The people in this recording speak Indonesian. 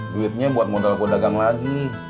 duitnya buat modal gue dagang lagi